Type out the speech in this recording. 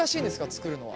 作るのは。